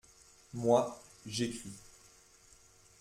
Moi, j’écris.